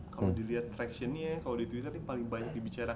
kalau dilihat traction nya kalau di twitter paling banyak dibicarakan